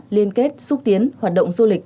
liên kết xúc tiến hoạt động du lịch